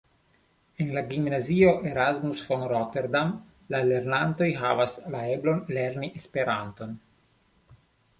En la gimnazio Erasmus-von-Rotterdam la lernantoj havas la eblon lerni Esperanton.